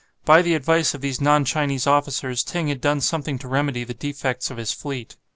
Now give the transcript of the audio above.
By the advice of these non Chinese officers Ting had done something to remedy the defects of his fleet.